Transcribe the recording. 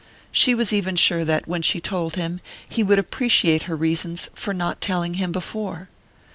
She was even sure that, when she told him, he would appreciate her reasons for not telling him before....